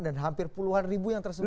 dan hampir puluhan ribu yang tersebut